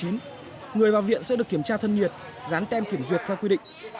người vào viện sẽ được kiểm tra thân nhiệt dán tem kiểm duyệt theo quy định